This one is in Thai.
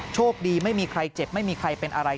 โชคดีไม่มีใครเจ็บไม่มีใครเป็นอะไร